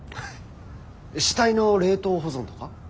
死体の冷凍保存とか？